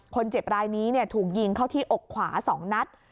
คนเจ็บรายนี้ถูกยิงเข้าที่อกขวา๒นัด